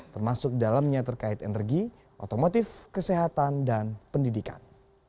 termasuk dalamnya terkait energi otomotif kesehatan dan pendidikan